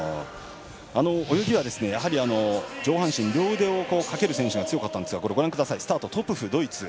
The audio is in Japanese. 泳ぎは、上半身、両腕をかける選手が強かったんですがトプフ、ドイツ。